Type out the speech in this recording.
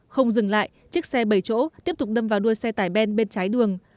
không dừng lại chiếc xe bảy chỗ tiếp tục đâm vào đuôi xe tải ben bên trái đường